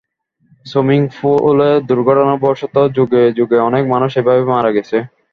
Swimming পুলে দূর্ঘটনাবসতঃ যুগে যুগে অনেক মানুষ এভাবে মারা গেছে।